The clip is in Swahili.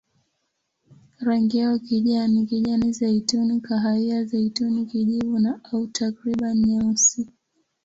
Rangi yao kijani, kijani-zeituni, kahawia-zeituni, kijivu au takriban nyeusi.